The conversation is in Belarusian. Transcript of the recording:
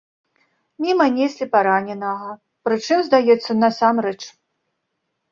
Міма неслі параненага, прычым, здаецца, насамрэч.